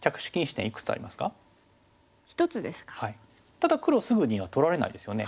ただ黒すぐには取られないですよね。